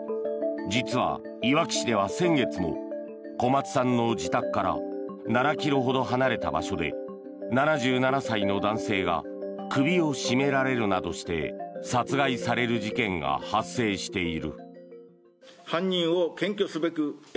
実は、いわき市では先月も小松さんの自宅から７ｋｍほど離れた場所で７７歳の男性が首を絞められるなどして殺害される事件などが発生している。